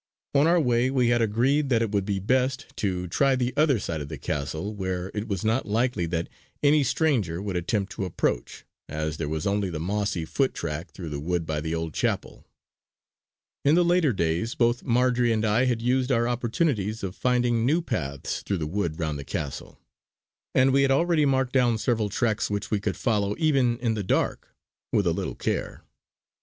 On our way we had agreed that it would be best to try the other side of the castle where it was not likely that any stranger would attempt to approach, as there was only the mossy foot track through the wood by the old chapel. In the later days both Marjory and I had used our opportunities of finding new paths through the wood round the castle; and we had already marked down several tracks which we could follow even in the dark with a little care.